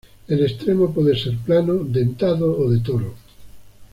El extremo puede ser plano, dentado o de toro.